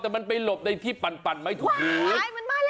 แต่มันไปหลบในที่ปันไม่ถูบพรุษ